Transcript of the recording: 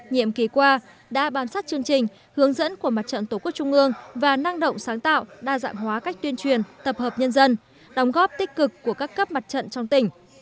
nhiệm kỳ qua đã bàn sát chương trình hướng dẫn của mặt trận tqvn và năng động sáng tạo đa dạng hóa cách tuyên truyền tập hợp nhân dân đóng góp tích cực của các cấp mặt trận trong tỉnh